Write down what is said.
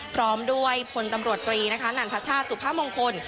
พร้อมด้วยคนตำรวจปรีนะค่ะหนันพระชาติทุพมงคล